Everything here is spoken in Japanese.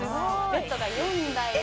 ベッドが４台で。